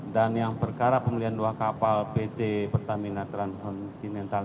dan yang perkara pemulihan dua kapal pt pertamina transkontinental